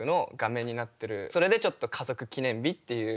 それでちょっと「家族記念日」っていう。